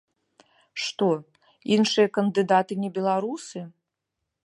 Што, іншыя кандыдаты не беларусы?